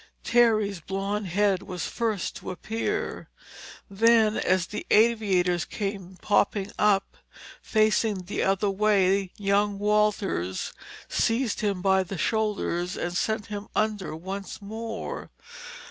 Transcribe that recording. Terry's blond head was the first to appear. Then as the aviator's came popping up, facing the other way, young Walters seized him by the shoulders and sent him under once more.